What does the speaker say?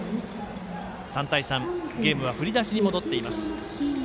３対３、ゲームは振り出しに戻っています。